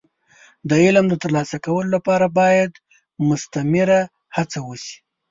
د علم د ترلاسه کولو لپاره باید مستمره هڅه وشي.